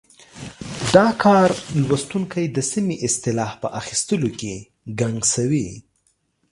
دا کار لوستونکی د سمې اصطلاح په اخیستلو کې ګنګسوي.